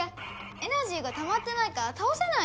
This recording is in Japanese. エナジーがたまってないからたおせないよ！